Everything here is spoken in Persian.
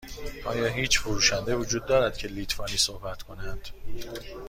آیا هیچ فروشنده وجود دارد که لیتوانی صحبت کند؟